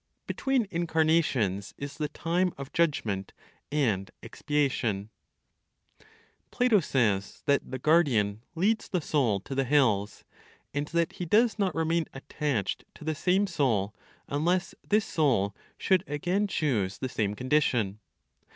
BETWEEN INCARNATIONS IS THE TIME OF JUDGMENT AND EXPIATION. (Plato) says that the guardian leads the soul to the hells, and that he does not remain attached to the same soul, unless this soul should again choose the same condition.